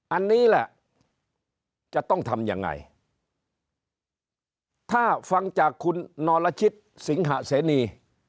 อันนี้แหละจะต้องทำยังไงถ้าฟังจากคุณนรชิตสิงหะเสนี